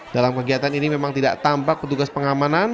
dalam kegiatan ini memang tidak tampak petugas pengamanan